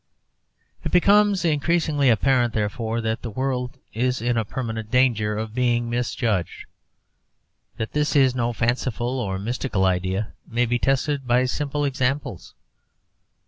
It becomes increasingly apparent, therefore, that the world is in a permanent danger of being misjudged. That this is no fanciful or mystical idea may be tested by simple examples.